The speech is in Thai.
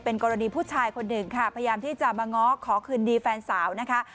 กรณีผู้ชายคนหนึ่งค่ะพยายามที่จะมาง้อขอคืนดีแฟนสาวนะคะ